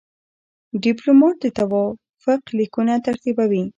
ډيپلومات د توافق لیکونه ترتیبوي.